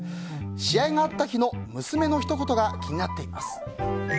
試合があった日の娘のひと言が気になっています。